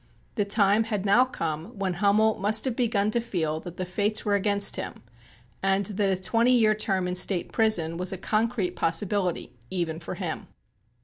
The time had now come when Hummel must have begun to feel that the fates were against him and that a twenty year term in state prison was a concrete possibility even for him.